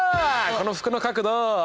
この服の角度。